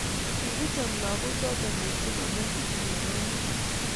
Kikicham lakok choto mising amu kitinye konyiit